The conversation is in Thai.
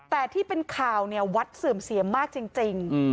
แต่ที่เป็นข่าวเนี่ยวัดเสื่อมเสียมากจริง